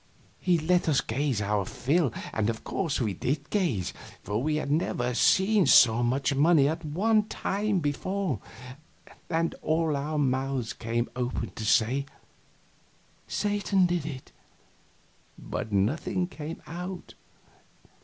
He let us gaze our fill; and of course we did gaze, for we had never seen so much money at one time before. All our mouths came open to say "Satan did it!" but nothing came out.